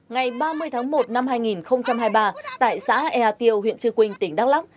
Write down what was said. ngày ba mươi tháng một năm hai nghìn hai mươi ba tại xã ea tiêu huyện trư quynh tỉnh đắk lắc